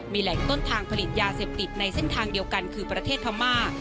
มีแหล่งต้นทางผลิตยาเสพติดในเส้นทางเดียวกันคือประเทศพม่า